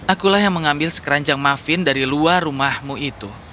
akulah yang mengambil sekeranjang mafin dari luar rumahmu itu